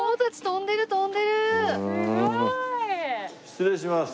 失礼します。